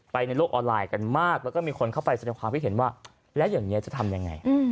ในโลกออนไลน์กันมากแล้วก็มีคนเข้าไปแสดงความคิดเห็นว่าแล้วอย่างนี้จะทำยังไง